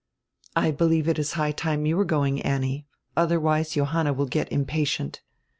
"I believe it is high time you were going, Annie. Other wise Johanna will get impatient."